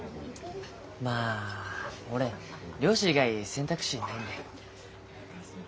まあ俺漁師以外選択肢ないんで。